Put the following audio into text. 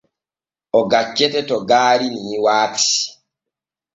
O gaccete to gaari ni waati.